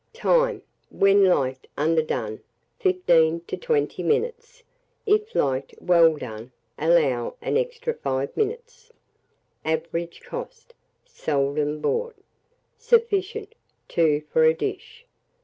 Time. When liked underdone, 15 to 20 minutes; if liked well done, allow an extra 5 minutes. Average cost. Seldom bought. Sufficient, 2 for a dish.